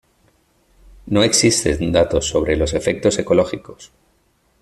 No existen datos sobre los efectos ecológicos.